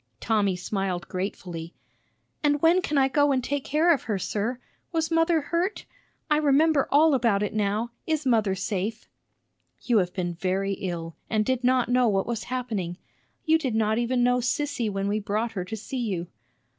Tommy smiled gratefully. "And when can I go and take care of her, sir? Was mother hurt? I remember all about it now. Is mother safe?" "You have been very ill, and did not know what was happening. You did not even know Sissy when we brought her to see you."